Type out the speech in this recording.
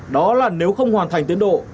đó là nếu không hoàn thành tiến độ